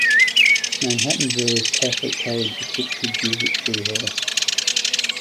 Manhattanville is Catholic college equipped to give it to her.